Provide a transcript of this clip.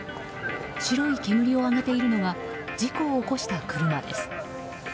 白い煙を上げているのは事故を起こした車です。